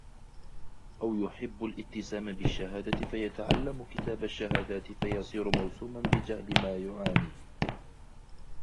أَوْ يُحِبُّ الِاتِّسَامَ بِالشَّهَادَةِ فَيَتَعَلَّمُ كِتَابَ الشَّهَادَاتِ فَيَصِيرُ مَوْسُومًا بِجَهْلِ مَا يُعَانِي